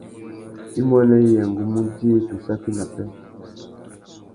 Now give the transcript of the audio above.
Imuênê yê ngu mú djï tu saki nà pêh.